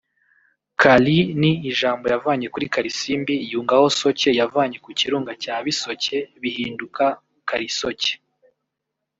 Kali ni ijambo yavanye kuri Kalisimbi yungaho Soke yavanye ku Kirunga cya Bisoke bihinduka Kalisoke